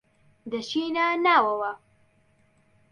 دەچینە ناوەوە.